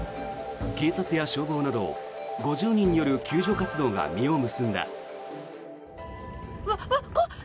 警察や消防など５０人による救助活動が実を結んだ。